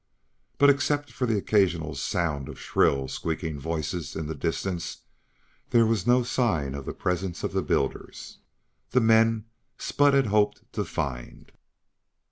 But, except for the occasional sound of shrill, squeaking voices in the distance, there was no sign of the presence of the builders, the men Spud had hoped to find.